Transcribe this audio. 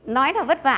nói là vất vả